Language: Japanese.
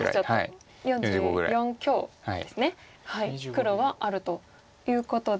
黒はあるということで。